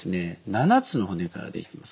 ７つの骨から出来ています。